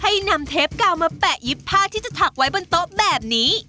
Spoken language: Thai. ให้นำเทปกาวมาแปะยิบผ้าที่จะถักไว้บนโต๊ะแบบนี้